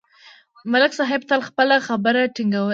ملک صاحب تل خپله خبره ټینګه نیولې وي